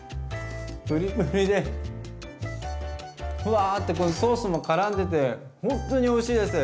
プリプリでふわってこのソースもからんでてほんとにおいしいです。